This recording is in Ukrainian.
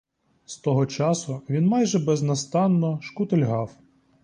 З того часу він майже безнастанно шкутильгав.